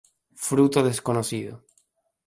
Fruto desconocido.